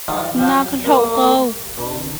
Na ka hloh ko!